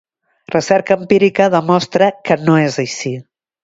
Recerca empírica demostra que no es així.